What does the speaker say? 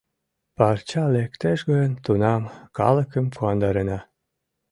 Парча лектеш гын, тунам калыкым куандарена.